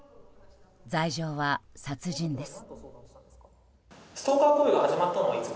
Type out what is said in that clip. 罪状は殺人です。